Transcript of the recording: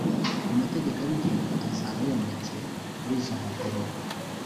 Amategeko abigenga azaba yometse kuri izo mpapuro